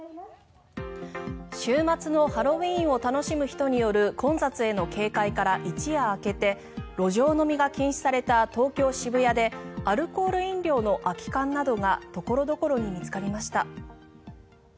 週末のハロウィーンを楽しむ人による混雑への警戒から一夜明けて路上飲みが禁止された東京・渋谷でアルコール飲料の空き缶などが所々に見つかりました。